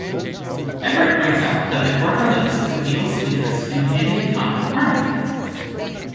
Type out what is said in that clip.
Everett points out that the chord relates to the Beatles' interest in pandiatonic harmony.